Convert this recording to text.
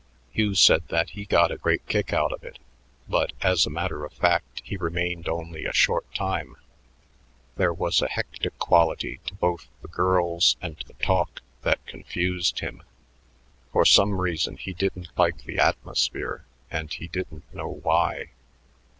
Hugh said that he got a great kick out of it, but, as a matter of fact, he remained only a short time; there was a hectic quality to both the girls and the talk that confused him. For some reason he didn't like the atmosphere; and he didn't know why.